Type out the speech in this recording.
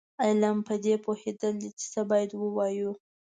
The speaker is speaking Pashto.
علم پدې پوهېدل دي چې څه باید ووایو.